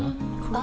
あ！